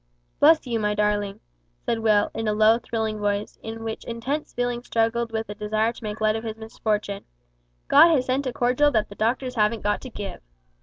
"Bless you, my darling," said Will, in a low thrilling voice, in which intense feeling struggled with the desire to make light of his misfortune; "God has sent a cordial that the doctors haven't got to give."